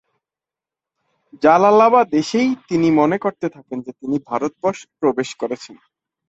জালালাবাদ এসেই তিনি মনে করতে থাকেন যে তিনি ভারতবর্ষে প্রবেশ করেছেন।